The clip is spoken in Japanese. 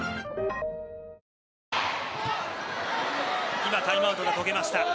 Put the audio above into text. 今、タイムアウトが解けました。